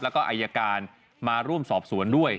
แล้วก็อายการมาร่วมสอบสวนด้วย